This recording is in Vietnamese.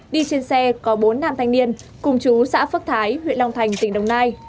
đi trên xe có bốn nam thanh niên cùng chú xã phước thái huyện long thành tỉnh đồng nai